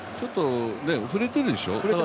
振れてるでしょ？